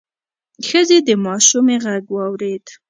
ښځې د ماشومې غږ واورېد: